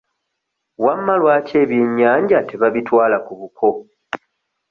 Wamma lwaki ebyenyanja tebabitwala ku buko?